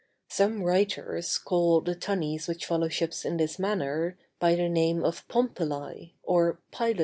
Some writers call the tunnies which follow ships in this manner, by the name of pompili, or pilot fish.